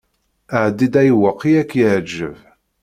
Ɛeddi-d ayweq i ak-iɛǧeb.